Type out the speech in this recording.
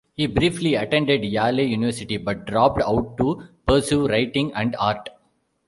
He briefly attended Yale University, but dropped out to pursue writing and art.